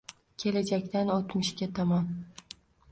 kelajakdan oʼtmishga tomon